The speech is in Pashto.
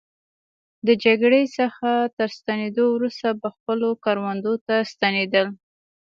د جګړې څخه تر ستنېدو وروسته به خپلو کروندو ته ستنېدل.